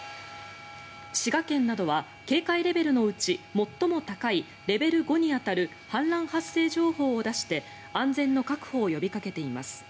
滋賀県などは警戒レベルのうち最も高いレベル５に当たる氾濫発生情報を出して安全の確保を呼びかけています。